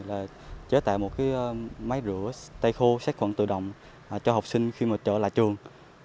là chế tạo một máy rửa tay khô sát khuẩn tự động cho học sinh khi trở lại trường